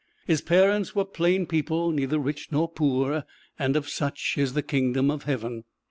His parents were plain people, neither rich nor poor and of such is the Kingdom of Heaven.